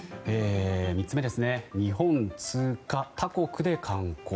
３つ目、日本通過、他国で観光。